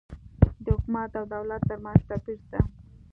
د حکومت او دولت ترمنځ توپیر سته